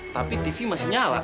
tapi tv masih nyala